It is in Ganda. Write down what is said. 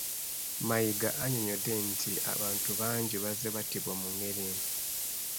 Mayiga annyonnyodde nti abantu bangi bazze battibwa mu ngeri eno.